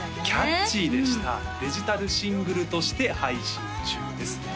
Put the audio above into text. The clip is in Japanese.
キャッチーでしたデジタルシングルとして配信中です